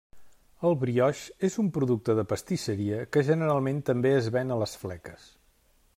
El brioix és un producte de pastisseria que generalment també es ven a les fleques.